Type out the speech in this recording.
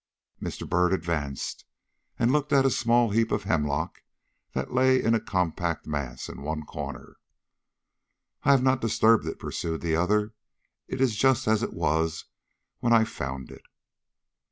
Mr. Byrd advanced and looked at a small heap of hemlock that lay in a compact mass in one corner. "I have not disturbed it," pursued the other. "It is just as it was when I found it."